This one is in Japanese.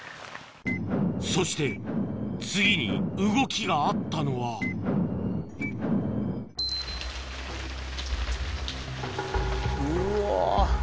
そして次に動きがあったのはうわ。